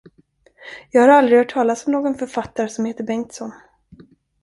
Jag har aldrig hört talas om någon författare, som heter Bengtsson.